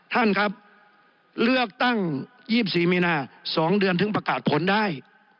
ท่านครับเลือกตั้ง๒๔มีนา๒เดือนถึงประกาศผลได้